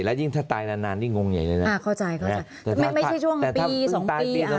และยิ่งถ้าตายแล้วนานนี่งงใหญ่เลยนะอ่าเข้าใจไม่ใช่ช่วงปี๒ปี